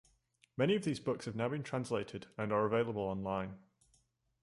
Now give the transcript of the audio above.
Many of these books have now been translated and are available online.